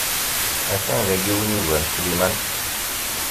A-t-an dagi win yugaren Sliman.